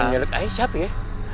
yang nyelek aya siapa ya